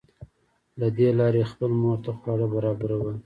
له دې لارې یې خپلې مور ته خواړه برابرول